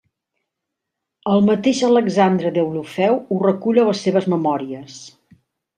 El mateix Alexandre Deulofeu ho recull a les seves memòries.